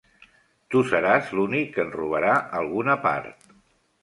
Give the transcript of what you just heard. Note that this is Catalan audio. Tu seràs l'únic que en robarà alguna part.